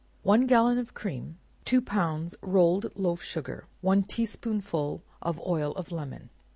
One gallon of cream, two pounds rolled loaf sugar, one tea spoonful of oil of lemon.